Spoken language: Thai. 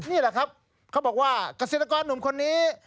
นี่แหละครับเขาบอกว่าเกษตรกรหนุ่มคนนี้